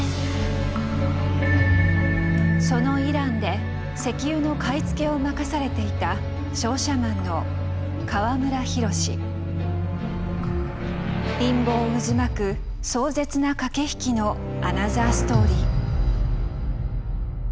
そのイランで石油の買い付けを任されていた陰謀渦巻く壮絶な駆け引きのアナザーストーリー。